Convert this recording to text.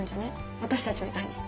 私たちみたいに。